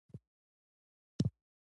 هر ډول تعرض او تیری باید وڅېړل شي.